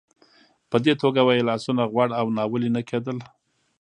په دې توګه به یې لاسونه غوړ او ناولې نه کېدل.